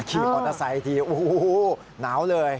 กี่ออเตอร์ไซส์ทีอู้หนาวเลย